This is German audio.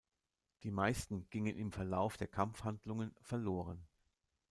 Die meisten gingen im Verlauf der Kampfhandlungen verloren.